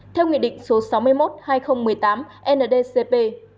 theo nghị định số sáu mươi một hai nghìn một mươi tám ndcp